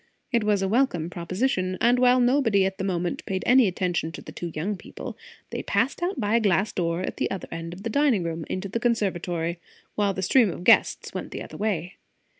It was a welcome proposition, and while nobody at the moment paid any attention to the two young people, they passed out by a glass door at the other end of the dining room into the conservatory, while the stream of guests went the other way.